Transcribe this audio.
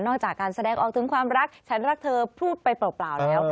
จากการแสดงออกถึงความรักฉันรักเธอพูดไปเปล่าแล้ว